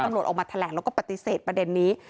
ตำรวจออกมาแถลงแล้วก็ปฏิเสธประเด็นนี้